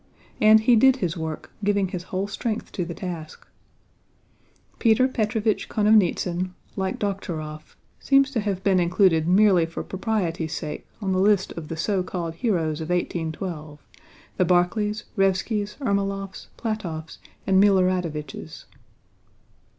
And he did his work, giving his whole strength to the task. Peter Petróvich Konovnítsyn, like Dokhtúrov, seems to have been included merely for propriety's sake in the list of the so called heroes of 1812—the Barclays, Raévskis, Ermólovs, Plátovs, and Milorádoviches.